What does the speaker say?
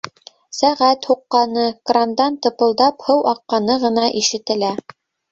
Сәғәт һуҡҡаны, крандан тыпылдап һыу аҡҡаны ғына ишетелә.